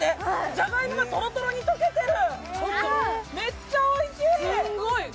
じゃがいもがトロトロに溶けてる。